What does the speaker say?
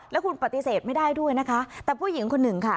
แล้วคุณปฏิเสธไม่ได้ด้วยนะคะแต่ผู้หญิงคนหนึ่งค่ะ